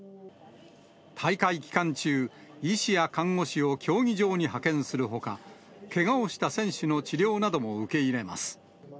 大会期間中、医師や看護師を競技場に派遣するほか、けがをした選手の治療なども受け入れます。